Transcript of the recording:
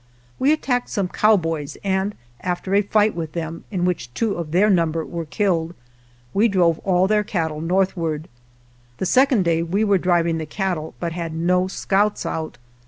We attacked some cowboys, and after a fight with them, in which two of their number were killed, we drove all their cattle northward. The second day we were driving the cattle, but had no scouts out.